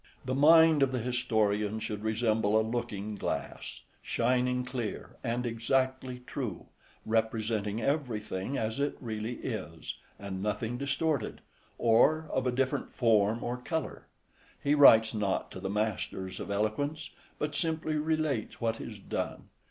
The mind of the historian should resemble a looking glass, shining clear and exactly true, representing everything as it really is, and nothing distorted, or of a different form or colour. He writes not to the masters of eloquence, but simply relates what is done.